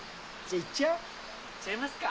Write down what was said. いっちゃいますか。